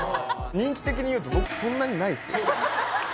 人気的にいうと僕そんなにないっすよ